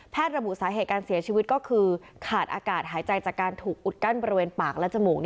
ระบุสาเหตุการเสียชีวิตก็คือขาดอากาศหายใจจากการถูกอุดกั้นบริเวณปากและจมูก